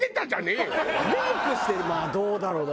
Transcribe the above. メイクしてるどうだろうな？